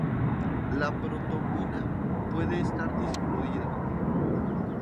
La protrombina puede estar disminuida.